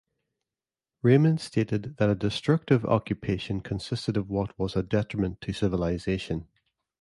Raymond stated that a destructive occupation consisted of what was a detriment to civilization.